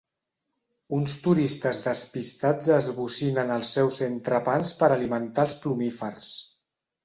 Uns turistes despistats esbocinen els seus entrepans per alimentar els plumífers.